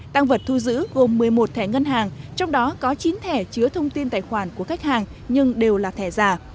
tăng vật thu giữ gồm một mươi một thẻ ngân hàng trong đó có chín thẻ chứa thông tin tài khoản của khách hàng nhưng đều là thẻ giả